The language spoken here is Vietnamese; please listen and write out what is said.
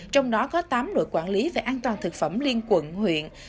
trong đó có tám đội quản lý về an toàn thực phẩm liên quận huyện